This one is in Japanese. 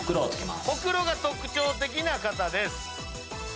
ほくろが特徴的な方です。